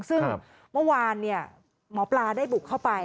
ซึ่งเมื่อวานหมอปลาได้บุกเข้าไป